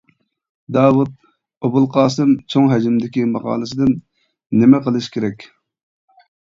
داۋۇت ئوبۇلقاسىم چوڭ ھەجىمدىكى ماقالىسىدىن : نېمە قىلىش كېرەك؟ !